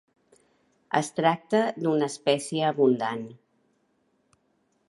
Es tracta d'una espècie abundant.